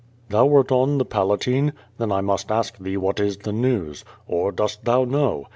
"Thou wert on the Palatine? Then I must ask thee what is the news. Or, dost thou know?